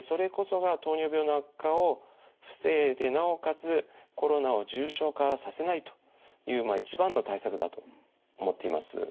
それこそが糖尿病の悪化を防いでなおかつコロナを重症化させないという一番の対策だと思っています。